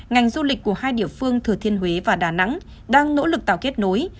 ngành du lịch của hai địa phương thừa thiên huế và đà nẵng đang nỗ lực tạo kết nối